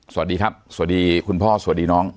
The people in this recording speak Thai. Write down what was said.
สวัสดีครับสวัสดีคุณพ่อสวัสดีน้อง